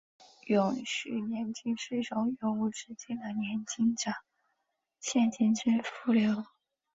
永续年金是一种永无止境的年金或者现金支付流。